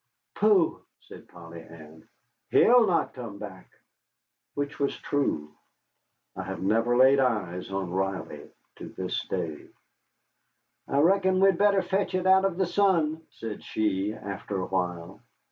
"Pooh," said Polly Ann, "he'll not come back." Which was true. I have never laid eyes on Riley to this day. "I reckon we'd better fetch it out of the sun," said she, after a while.